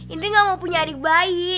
indri gak mau punya adik baik